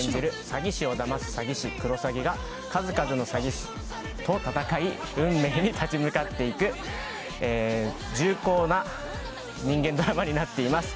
詐欺師をだます詐欺師クロサギが数々の詐欺師と戦い運命に立ち向かっていく重厚な人間ドラマになっています